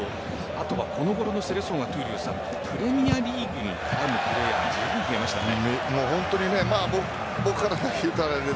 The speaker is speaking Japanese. あとはこのごろのセレソンはプレミアリーグに絡んだプレーヤーずいぶん増えましたね。